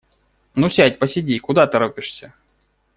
Ну, сядь, посиди, куда торопишься?